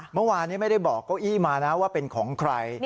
เมื่อวานนี้ไม่ได้บอกเก้าอี้มานะว่าเป็นของใคร